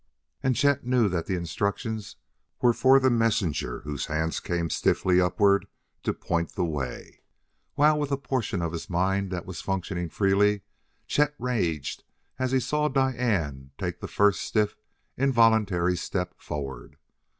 And Chet knew that the instructions were for the messenger whose hands came stiffly upward to point the way; while, with a portion of his mind that was functioning freely, Chet raged as he saw Diane take the first stiff, involuntary step forward.